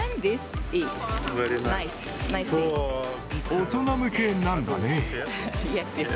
大人向けなんだね。